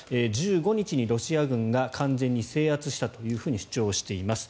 １５日にロシア軍が完全に制圧したと主張しています。